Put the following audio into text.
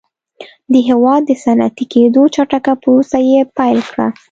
د هېواد د صنعتي کېدو چټکه پروسه یې پیل کړه